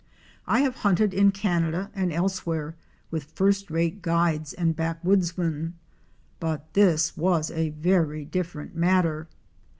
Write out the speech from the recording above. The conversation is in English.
I have hunted in Canada and elsewhere with first rate guides and backwoodsmen, but this was a very different matter.